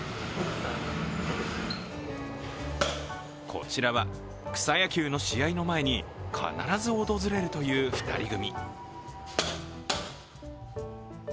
こちらは、草野球の試合の前に必ず訪れるという２人組。